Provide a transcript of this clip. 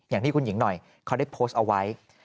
อย่างที่คุณหญิงหน่อยเขาได้โพสต์เอาไว้